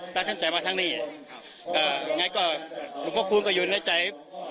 ท่านชัยมาทั้งนี้เอ่อง่ายก็รุมบะคุณก็ยุลใจ